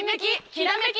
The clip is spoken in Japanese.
きらめき